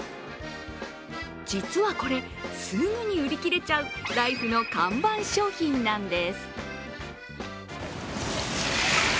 実はこれ、すぐに売り切れちゃうライフの看板商品なんです。